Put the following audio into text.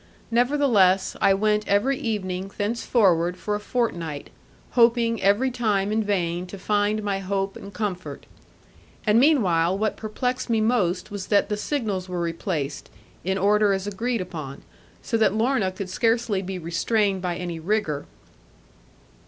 Nevertheless, I went every evening thenceforward for a fortnight; hoping, every time in vain to find my hope and comfort. And meanwhile, what perplexed me most was that the signals were replaced, in order as agreed upon, so that Lorna could scarcely be restrained by any rigour.